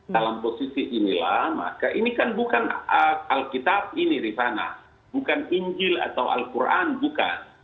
dalam posisi inilah maka ini kan bukan alkitab ini rifana bukan injil atau al quran bukan